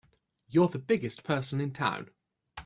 You're the biggest person in town!